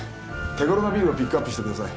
手頃なビルをピックアップしてください